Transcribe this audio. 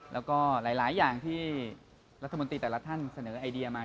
แล้วก็หลายอย่างที่รัฐมนตรีแต่ละท่านเสนอไอเดียมา